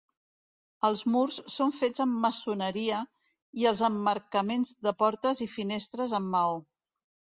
Els murs són fets amb maçoneria i els emmarcaments de portes i finestres amb maó.